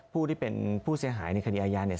ผู้ที่เป็นผู้เสียหายในคดีอาญาเนี่ย